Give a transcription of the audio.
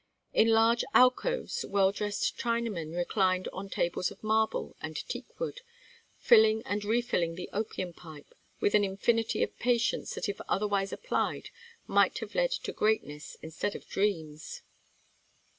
In large alcoves well dressed Chinamen reclined on tables of marble and teakwood, filling and refilling the opium pipe with an infinity of patience that if otherwise applied might have led to greatness instead of dreams.